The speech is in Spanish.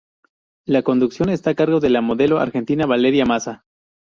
La conducción está a cargo de la modelo argentina Valeria Mazza.